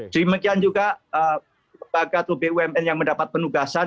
demikian juga bagi bumn yang mendapat penugasan